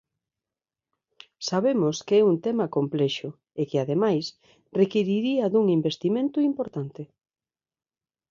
Sabemos que é un tema complexo e que ademais requiriría dun investimento importante.